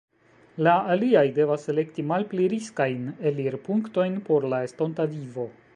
La aliaj devas elekti malpli riskajn elirpunktojn por la estonta vivo.